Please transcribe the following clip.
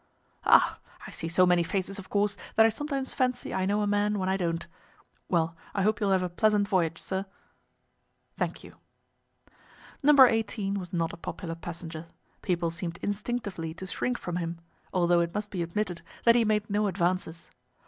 "Ah! I see so many faces, of course, that I sometimes fancy I know a man when I don't. Well, I hope you will have a pleasant voyage, sir." "Thank you." No. 18 was not a popular passenger. People seemed instinctively to shrink from him, although it must be admitted that he made no advances.